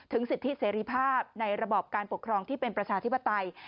สิทธิเสรีภาพในระบอบการปกครองที่เป็นประชาธิปไตย